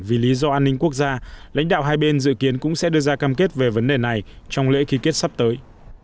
vì lý do an ninh quốc gia lãnh đạo hai bên dự kiến cũng sẽ đưa ra cam kết về vấn đề này trong lễ ký kết sắp tới